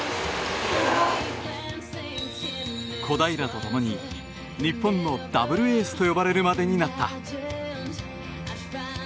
小平と共に日本のダブルエースと呼ばれるまでになった。